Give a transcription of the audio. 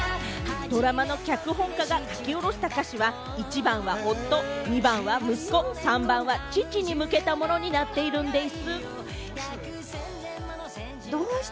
ドラマの脚本家が書き下ろした歌詞は、１番は夫、２番は息子、３番は父に向けたものになっているんでぃす。